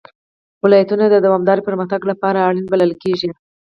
ولایتونه د دوامداره پرمختګ لپاره اړین بلل کېږي.